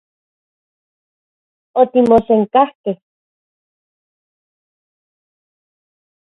Otimosenkajkej.